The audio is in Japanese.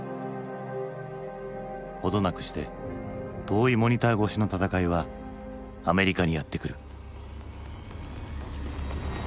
程なくして遠いモニター越しの戦いはアメリカにやってくる。